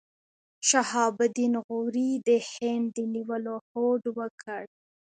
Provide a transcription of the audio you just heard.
شهاب الدین غوري د هند د نیولو هوډ وکړ.